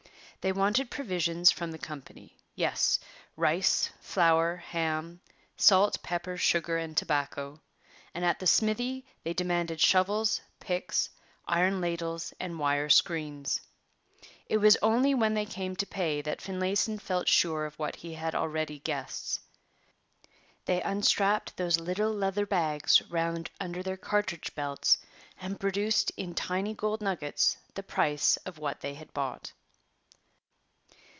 They wanted provisions from the company yes rice, flour, ham, salt, pepper, sugar, and tobacco; and at the smithy they demanded shovels, picks, iron ladles, and wire screens. It was only when they came to pay that Finlayson felt sure of what he had already guessed. They unstrapped those little leather bags round under their cartridge belts and produced in tiny gold nuggets the price of what they had bought.